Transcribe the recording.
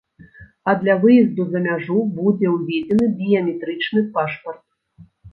А для выезду за мяжу будзе ўведзены біяметрычны пашпарт.